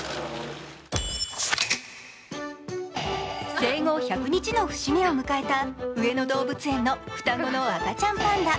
生後１００日の節目を迎えた上野動物園の双子の赤ちゃんパンダ。